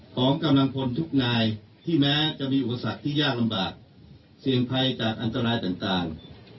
ของกำลังพลทุกนายที่แม้จะมีอุปสรรคที่ยากลำบากเสี่ยงภัยจากอันตรายต่าง